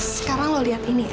sekarang lo lihat ini ya